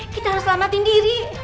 kita harus selamatin diri